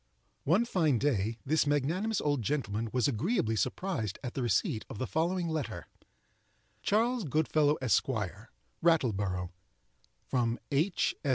One fine day, this magnanimous old gentleman was agreeably surprised at the receipt of the following letter: Charles Goodfellow, Esq., Rattleborough From H.